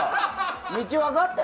道分かってる？